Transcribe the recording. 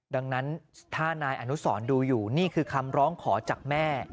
ดังนั้นถ้านายอนุสรดูอยู่นี่คือคำร้องขอจากแม่